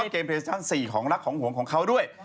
เป็นประสิทธิ์ทั้ง๔ของรักของห่วงของเค้าด้วย